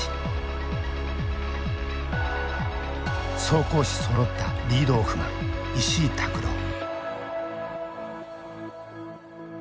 走攻守そろったリードオフマン石井琢朗。